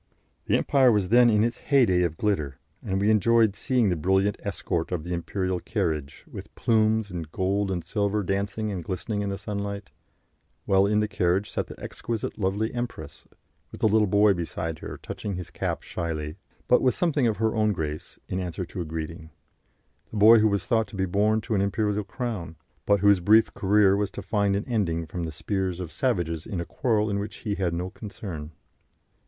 The Empire was then in its heyday of glitter, and we much enjoyed seeing the brilliant escort of the imperial carriage, with plumes and gold and silver dancing and glistening in the sunlight, while in the carriage sat the exquisitely lovely empress, with the little boy beside her, touching his cap shyly, but with something of her own grace, in answer to a greeting the boy who was thought to be born to an imperial crown, but whose brief career was to find an ending from the spears of savages in a quarrel in which he had no concern.